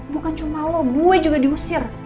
bukan cuma lo bue juga diusir